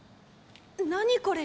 何これ！